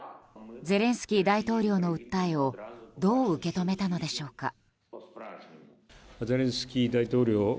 ゼレンスキー大統領の訴えをどう受け止めたのでしょうか。